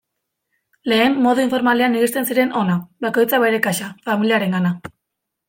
Lehen modu informalean iristen ziren hona, bakoitza bere kasa, familiarengana...